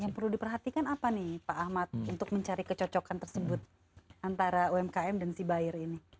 yang perlu diperhatikan apa nih pak ahmad untuk mencari kecocokan tersebut antara umkm dan si buyer ini